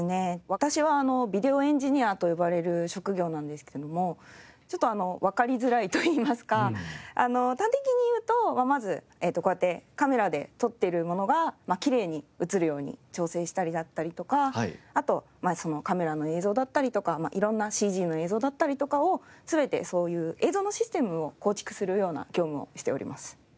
私はビデオエンジニアと呼ばれる職業なんですけどもちょっとわかりづらいといいますか端的に言うとまずこうやってカメラで撮ってるものがきれいに映るように調整したりだったりとかあとカメラの映像だったりとか色んなＣＧの映像だったりとかを全てそういう映像のシステムを構築するような業務をしております。